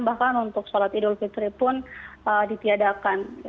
bahkan untuk sholat idul fitri pun ditiadakan